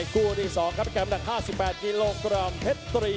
กูที่๒ครับแก่มดัก๕๘กิโลกรัมเทศ๓